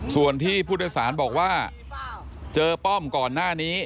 ส่วนที่ผู้โดยสารบอกว่าเจอป้อมก่อนหน้านี้